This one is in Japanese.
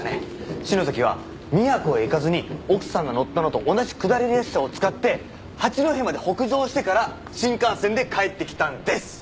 篠崎は宮古へ行かずに奥さんが乗ったのと同じ下り列車を使って八戸まで北上してから新幹線で帰ってきたんです！